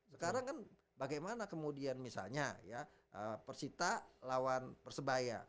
sekarang kan bagaimana kemudian misalnya ya persita lawan persebaya